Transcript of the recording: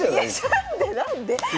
何で何で！